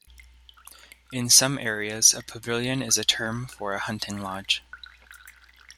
In some areas, a pavilion is a term for a hunting lodge.